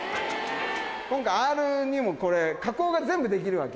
今回、Ｒにもこれ、加工が全部できるわけ。